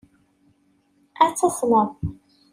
Ad tasmeḍ.